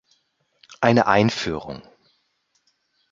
Eine Einführung.